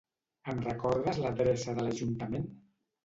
Em recordes l'adreça de l'Ajuntament?